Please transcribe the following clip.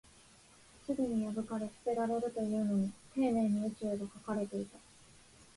すぐに破かれ、捨てられるというのに、丁寧に宇宙が描かれていた